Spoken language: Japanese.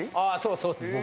そうです。